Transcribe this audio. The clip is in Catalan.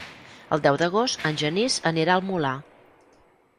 El deu d'agost en Genís anirà al Molar.